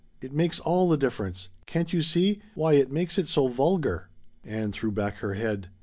"It makes all the difference! Can't you see why it makes it so vulgar." Ann threw back her head.